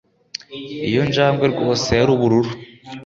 iyo njangwe rwose yari ubururu